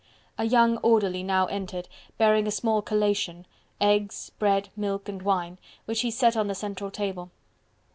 A young orderly now entered bearing a small collation eggs, bread, milk and wine which he set on the central table.